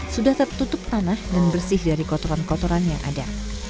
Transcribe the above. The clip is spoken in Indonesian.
sudah tertutup tanah dan bersih dari kotoran kotoran yang ada